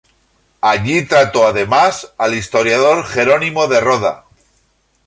Allí trató además al historiador Jerónimo de Roda.